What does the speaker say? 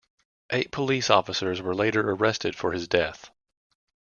Eight police officers were later arrested for his death.